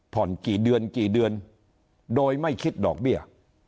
กี่เดือนกี่เดือนโดยไม่คิดดอกเบี้ย